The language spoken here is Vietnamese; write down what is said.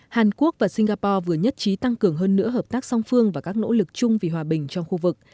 hàn quốc và singapore vừa nhất trí tăng cường hơn nữa hợp tác song phương và các nỗ lực chung vì hòa bình trong khu vực